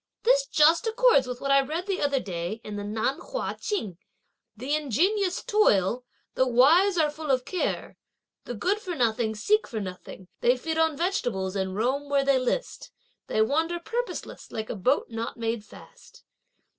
This just accords with what I read the other day in the Nan Hua Ching. 'The ingenious toil, the wise are full of care; the good for nothing seek for nothing, they feed on vegetables, and roam where they list; they wander purposeless like a boat not made fast!'